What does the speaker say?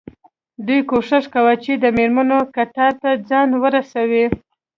دوی کوښښ کوي چې د مېرمنو کتار ته ځان ورسوي.